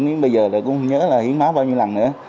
nhưng bây giờ cũng không nhớ là hiến máu bao nhiêu lần nữa